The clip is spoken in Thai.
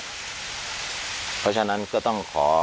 เพราะฉะนั้นก็ต้องขอ